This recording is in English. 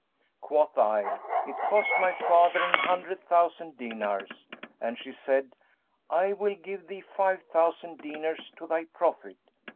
Quoth I, 'It cost my father an hundred thousand dinars;' and she said, 'I will give thee five thousand dinars to thy profit.'